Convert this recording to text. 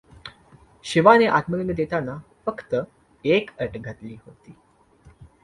शिवाने आत्मलिंग देतानाच फक्त एक अट घातली होती.